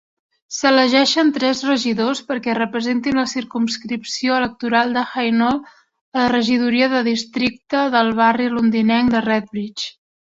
S'elegeixen tres regidors perquè representin la circumscripció electoral de Hainault a la regidoria de districte del barri londinenc de Redbridge.